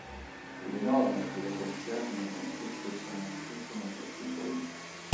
Le norme che lo concernono espressamente sono gli artt.